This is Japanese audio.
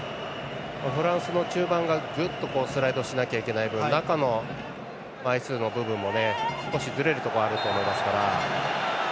フランスの中盤がぐっとスライドしなきゃいけない分中の枚数の部分も少しずれるところあると思いますから。